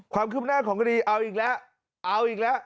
ความคืบหน้าของคดีเอาอีกแล้วเอาอีกแล้ว